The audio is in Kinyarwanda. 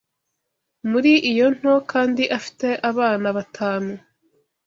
muri iyo nto kandi afite abana batanu